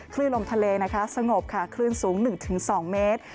คลื่นลมทะเลนะคะสงบค่ะคลื่นสูง๑๒เมตร